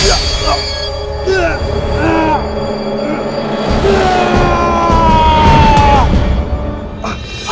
ada apa buru